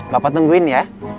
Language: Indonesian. papa tungguin ya